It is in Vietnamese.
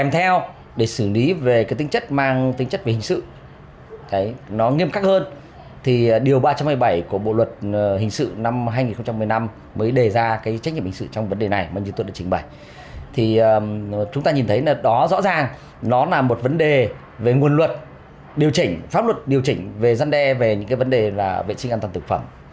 một vấn đề về nguồn luật điều chỉnh pháp luật điều chỉnh về dăn đe về những vấn đề về vệ sinh an toàn thực phẩm